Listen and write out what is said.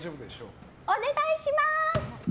お願いします！